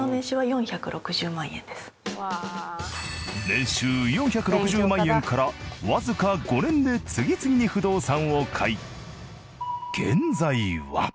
年収４６０万円からわずか５年で次々に不動産を買い。